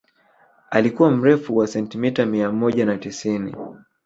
Alikuwa na urefu wa sentimita mia moja na tisini